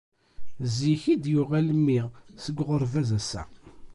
Zik i d-yuɣal mmi seg uɣerbaz ass-a.